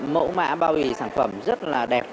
mẫu mã bao bì sản phẩm rất là đẹp